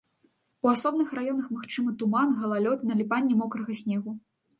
У асобных раёнах магчымы туман, галалёд, наліпанне мокрага снегу.